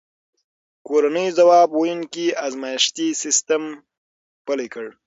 کورنیو ځواب ویونکی ازمایښتي سیستم پلی کړ.